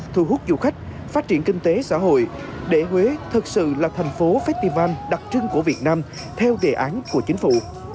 thu hút du khách phát triển kinh tế xã hội để huế thật sự là thành phố festival đặc trưng của việt nam theo đề án của chính phủ